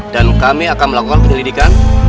dan kami akan melakukan penelitikan